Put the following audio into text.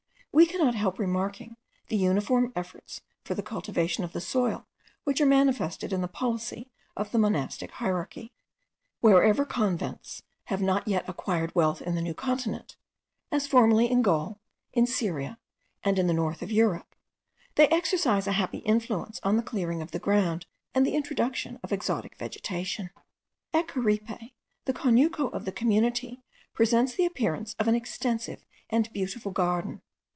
We cannot help remarking the uniform efforts for the cultivation of the soil which are manifested in the policy of the monastic hierarchy. Wherever convents have not yet acquired wealth in the New Continent, as formerly in Gaul, in Syria, and in the north of Europe, they exercise a happy influence on the clearing of the ground and the introduction of exotic vegetation. At Caripe, the conuco of the community presents the appearance of an extensive and beautiful garden.